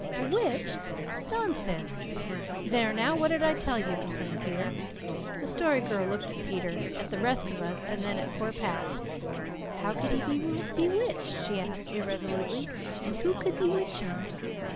"Bewitched? Nonsense!" "There now, what did I tell you?" complained Peter. The Story Girl looked at Peter, at the rest of us, and then at poor Pat. "How could he be bewitched?" she asked irresolutely, "and who could bewitch him?"